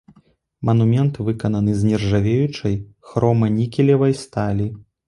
Манумент выкананы з нержавеючай хроманікелевай сталі.